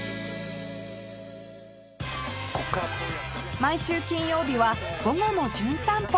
毎週金曜日は『午後もじゅん散歩』